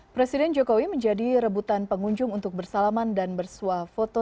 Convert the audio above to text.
presiden jokowi menjadi rebutan pengunjung untuk bersalaman dan bersuah foto